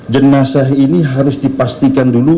jenazah ini harus dipastikan dulu